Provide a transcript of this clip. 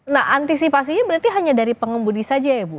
nah antisipasinya berarti hanya dari pengemudi saja ya bu